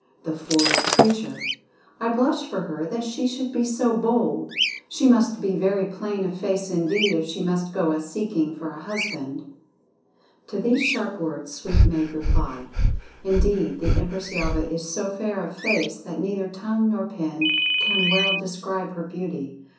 The forward creature! I blush for her that she should be so bold. She must be very plain of face indeed if she must go a seeking for a husband." To these sharp words Sweep made reply: "Indeed, the Empress Yelva is so fair of face that neither tongue nor pen can well describe her beauty.